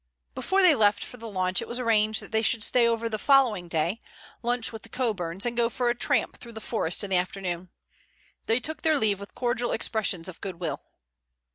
Before they left for the launch it was arranged that they should stay over the following day, lunch with the Coburns, and go for a tramp through the forest in the afternoon. They took their leave with cordial expressions of good will.